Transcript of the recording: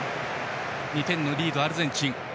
２点リードはアルゼンチン。